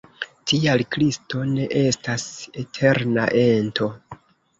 Tial Kristo ne estas eterna ento.